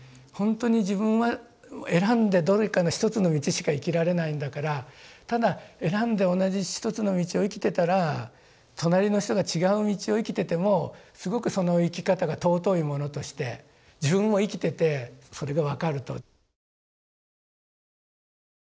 ほんとに自分は選んでどれかの一つの道しか生きられないんだからただ選んで同じ一つの道を生きてたら隣の人が違う道を生きててもすごくその生き方が尊いものとして自分も生きててそれが分かると。